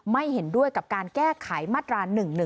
ไม่เห็นด้วยกับการแก้ไขมาตรา๑๑๒